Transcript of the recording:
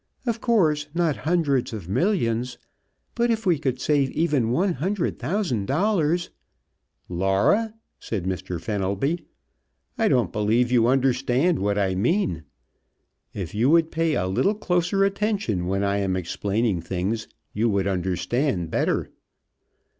Of course, not hundreds of millions; but if we could save even one hundred thousand dollars " "Laura," said Mr. Fenelby, "I don't believe you understand what I mean. If you would pay a little closer attention when I am explaining things you would understand better.